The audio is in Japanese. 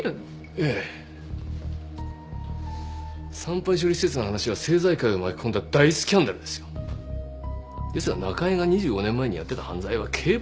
ええ産廃処理施設の話は政財界を巻き込んだ大スキャンダルですよですが中井が２５年前にやってた犯罪は競馬のノミ屋です